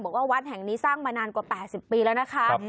วัดแห่งนี้สร้างมานานกว่า๘๐ปีแล้วนะคะ